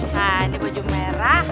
nah ini baju merah